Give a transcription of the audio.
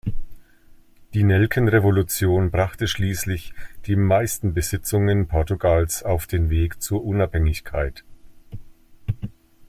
Die Nelkenrevolution brachte schließlich die meisten Besitzungen Portugals auf den Weg zur Unabhängigkeit.